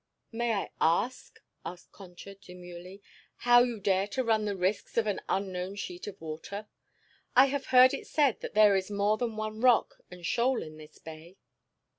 "May I ask," said Concha demurely, "how you dare to run the risks of an unknown sheet of water? I have heard it said that there is more than one rock and shoal in this bay."